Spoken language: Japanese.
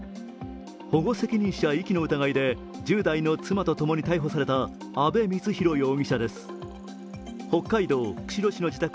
保護責任者遺棄の疑いで１０代の妻とともに逮捕された阿部光浩容疑者です。